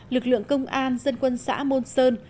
lực lượng công an dân quân xã môn sơn